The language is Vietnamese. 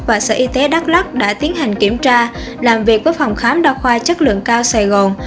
và sở y tế đắk lắc đã tiến hành kiểm tra làm việc với phòng khám đa khoa chất lượng cao sài gòn